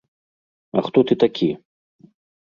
А хто ты такі?!